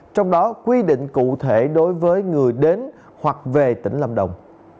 trong đó quy định cụ thể đối với người đến hoặc về tỉnh lâm đồng